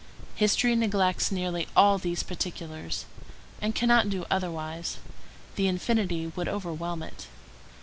History neglects nearly all these particulars, and cannot do otherwise; the infinity would overwhelm it.